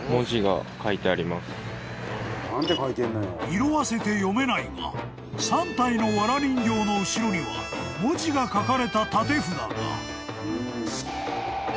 ［色あせて読めないが３体のわら人形の後ろには文字が書かれた立て札が］